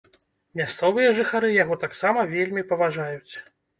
Мясцовыя жыхары яго таксама вельмі паважаюць.